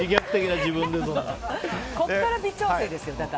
ここから微調整ですよ。